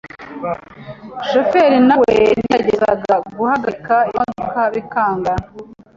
Shoferi nawe yageragezaga guhagarika imodoka bikanga,